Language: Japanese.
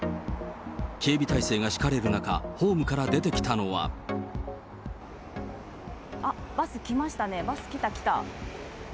警備態勢が敷かれる中、ホームかあっ、バス来ましたね、バス来た、来た。